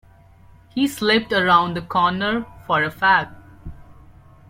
He slipped around the corner for a fag.